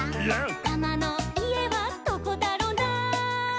「タマのいえはどこだろな」